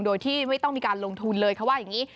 โดยที่ไม่ต้องมีการลงทุนเลยเขาว่าอย่างนี้